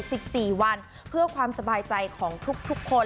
สิบสี่วันเพื่อความสบายใจของทุกทุกคน